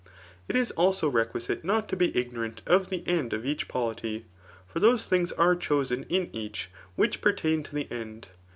It is also requisite not to be ignorant of the end of each polity; for those things are chosen [in each] which pertain to the end.